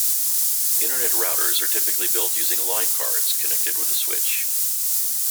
Internet routers are typically built using line cards connected with a switch.